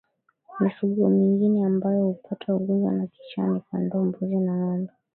Mifugo mingine ambayo hupata ugonjwa wa kichaa ni kondoo mbuzi na ngombe